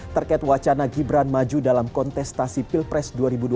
terkait wacana gibran maju dalam kontestasi pilpres dua ribu dua puluh